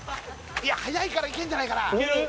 いや速いからいけるんじゃないかな？